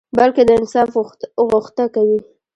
بلکي د انصاف غوښته کوي